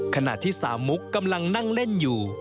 ขณะที่สาวมุกกำลังนั่งเล่นอยู่